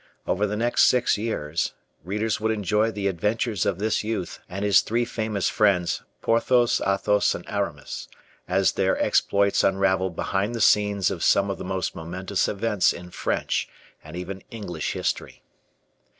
Over the next six years, readers would enjoy the adventures of this youth and his three famous friends, Porthos, Athos, and Aramis, as their exploits unraveled behind the scenes of some of the most momentous events in French and even English history.